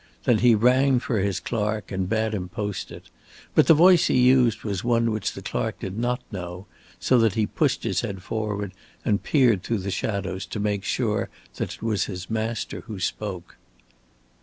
Then he rang for his clerk and bade him post it, but the voice he used was one which the clerk did not know, so that he pushed his head forward and peered through the shadows to make sure that it was his master who spoke.